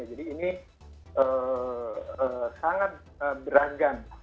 jadi ini sangat beragam